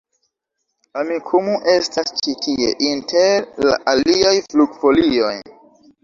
Amikumu estas ĉi tie inter la aliaj flugfolioj